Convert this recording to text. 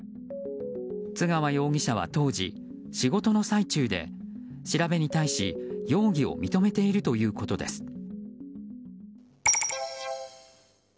津川容疑者は当時、仕事の最中で調べに対して容疑を認めているということです。